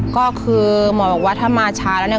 ก็คือหมอบอกว่าถ้ามาช้าแล้วเนี่ย